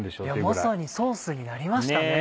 まさにソースになりましたね。